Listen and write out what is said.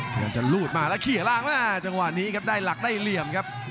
พยายามจะลูดมาแล้วเขียล่างจังหวะนี้ครับได้หลักได้เหลี่ยมครับ